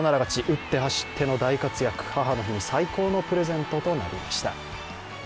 打って走っての大活躍、母の日に最高のプレゼントとなりました。